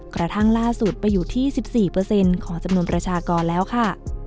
กระทั่งล่าสุดไปอยู่ที่๑๔ของจำนวนประชากรแล้วค่ะ